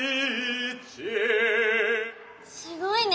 すごいね。